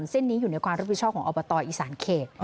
เส้นนี้อยู่ในความรับผิดชอบของอบตอีสานเขต